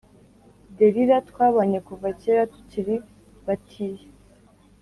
Derira twabanye kuva kera tukiri batiya